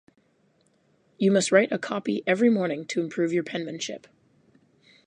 You must write a copy every morning to improve your penmanship.